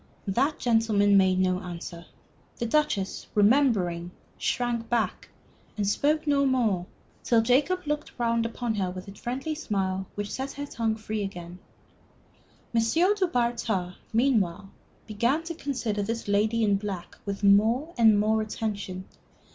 That gentleman made no answer. The Duchess, remembering, shrank back, and spoke no more, till Jacob looked round upon her with a friendly smile which set her tongue free again. M. du Bartas, meanwhile, began to consider this lady in black with more and more attention.